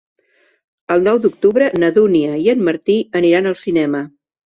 El nou d'octubre na Dúnia i en Martí aniran al cinema.